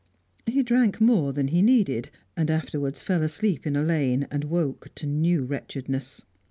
He drank more than he needed, and afterwards fell asleep in a lane, and woke to new wretchedness.